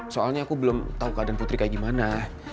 soalnya aku belum tahu keadaan putri kayak gimana